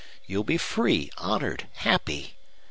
You'll be free, honored, happy.